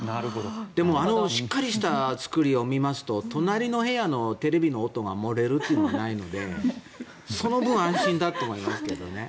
でもあのしっかりした造りを見ますと隣の部屋のテレビの音が漏れるということがないのでその分安心だと思いますけどね。